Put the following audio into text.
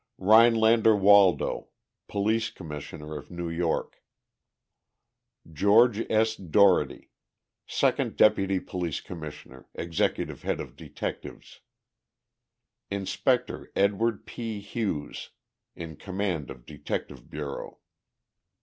RHINELANDER WALDO, Police Commissioner of New York. GEORGE S. DOUGHERTY, Second Deputy Police Commissioner, executive head of detectives. INSPECTOR EDWARD P. HUGHES, in command of Detective Bureau.